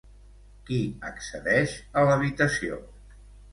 Qui accedeix a l'habitació?